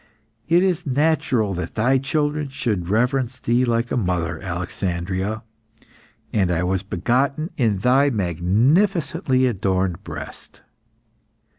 It is natural that thy children should reverence thee like a mother, Alexandria, and I was begotten in thy magnificently adorned breast.